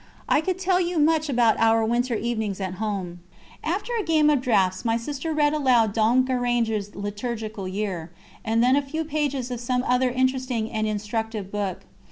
I could tell you much about our winter evenings at home. After a game of draughts my sisters read aloud Dom Guéranger's Liturgical Year, and then a few pages of some other interesting and instructive book.